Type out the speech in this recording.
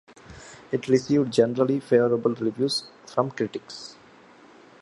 It received generally favorable reviews from critics.